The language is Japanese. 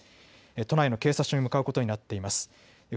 都内の警察署に向かうことになっています。